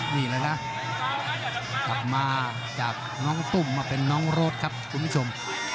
นี่เลยนะกลับมาจากน้องตุ้มมาเป็นน้องรถครับคุณผู้ชม